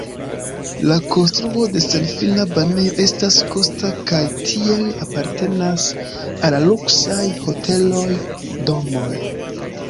La konstruo de senfina banejo estas kosta kaj tiel apartenas al luksaj hoteloj, domoj.